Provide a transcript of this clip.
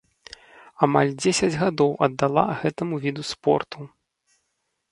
Амаль дзесяць гадоў аддала гэтаму віду спорту.